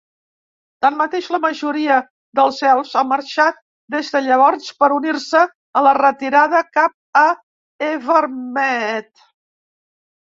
Tanmateix, la majoria dels elfs han marxat des de llavors per unir-se a la retirada cap a Evermeet.